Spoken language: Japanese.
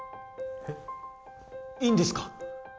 えっいいんですか？